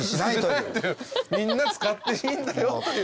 みんな使っていいんだよという。